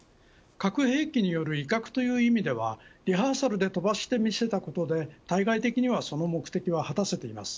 核兵器による威嚇という意味ではリハーサルで飛ばして見せたことで対外的にはその目的は果たせています。